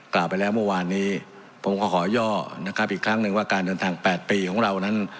กล่าวไปแล้วเมื่อวานนี้ผมก็ขอย่อนะครับอีกครั้งหนึ่งว่าการเดินทาง๘ปีของเรานั้น